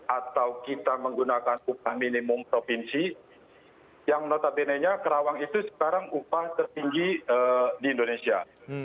atau kita menggunakan upah minimum provinsi yang notabene nya kerawang itu sekarang upah tertinggi di indonesia